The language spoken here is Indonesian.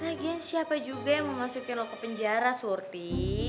lagian siapa juga yang mau masukin lo ke penjara surti